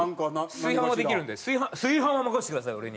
炊飯はできるんで炊飯は任せてください俺に。